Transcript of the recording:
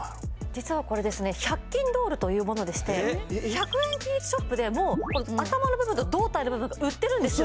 実はこれですね１００均ドールというものでして１００円均一ショップでもう頭の部分と胴体の部分が売ってるんですよ